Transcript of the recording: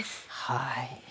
はい。